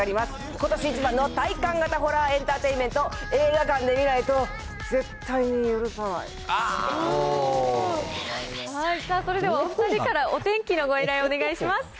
ことし一番の体感型ホラーエンターテインメント、映画館で見ないそれではお２人からお天気のご依頼をお願いします。